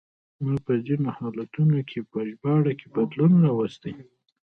ما په ځینو حالتونو کې په ژباړه کې بدلون راوستی.